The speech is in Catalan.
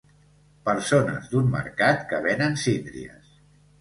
Persones d'un mercat que venen síndries.